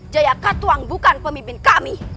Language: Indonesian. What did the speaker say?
jaya katuang bukan pemimpin kami